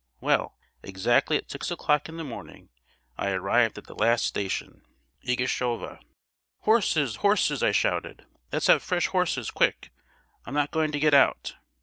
Well, exactly at six o'clock in the morning I arrived at the last station, Igishova. 'Horses, horses!' I shouted, 'let's have fresh horses quick; I'm not going to get out.